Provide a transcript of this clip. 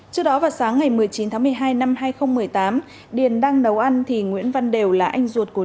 trước đó vào sáng ngày một mươi chín tháng một mươi hai năm hai nghìn một mươi tám điền đang nấu ăn thì nguyễn văn đều là anh ruột của